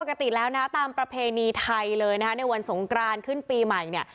ปกติแล้วนะตามประเพณีไทยเลยนะคะในวันสงกรานขึ้นปีใหม่เนี่ย